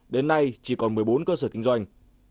đến nay chỉ còn một mươi bốn cơ sở kinh doanh